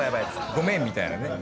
ごめんみたいなね。